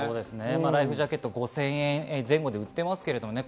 ライフジャケットは５０００円前後で売っています。